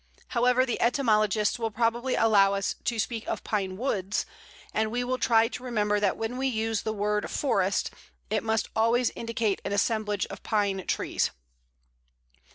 However, the etymologists will probably allow us to speak of Pine woods, and we will try to remember that when we use the word forest it must always indicate an assemblage of Pine trees.